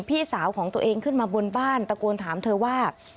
พี่สาวของตัวเองขึ้นมาบนบ้านตะโกนถามเธอว่า